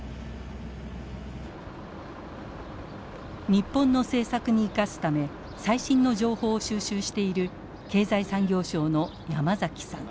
日本の政策に生かすため最新の情報を収集している経済産業省の山崎さん。